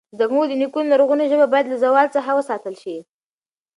زموږ د نیکونو لرغونې ژبه باید له زوال څخه وساتل شي.